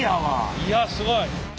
いやすごい！